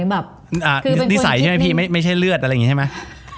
แบบนิสัยใช่ไหมพี่ไม่ใช่เลือดอะไรอย่างนี้ใช่ไหม